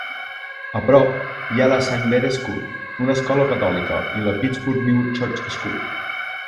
A prop, hi ha la Saint Bede School, una escola catòlica, i la Pittsburgh New Church School.